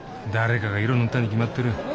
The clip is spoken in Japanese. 誰かが色塗ったに決まってる。